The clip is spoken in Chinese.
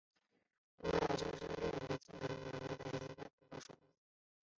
矮生多裂委陵菜为蔷薇科委陵菜属下的一个变种。